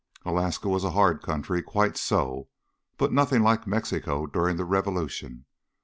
Alaska was a hard country, quite so, but nothing like Mexico during the revolution.